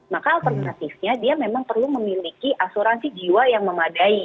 maka alternatifnya dia memang perlu memiliki asuransi jiwa yang memadai